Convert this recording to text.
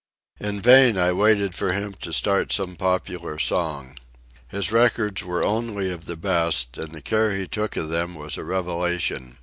In vain I waited for him to start some popular song. His records were only of the best, and the care he took of them was a revelation.